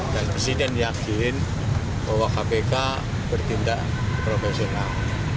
dan pesiden yakin bahwa kpk bertindak profesional